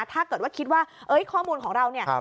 ถ้าเกิดว่าคิดว่าข้อมูลของเราเนี่ย